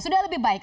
sudah lebih baik